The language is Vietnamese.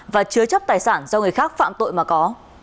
và chứa chấp tài sản do người khác phạm tội mà có